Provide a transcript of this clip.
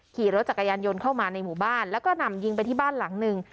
ขี่รถจักรยานยนต์เข้ามาในหมู่บ้านแล้วก็นำยิงไปที่บ้านหลังหนึ่ง